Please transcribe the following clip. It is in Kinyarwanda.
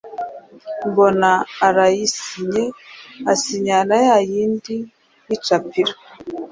mbona arayisinye asinya na ya yindi y’icapiro.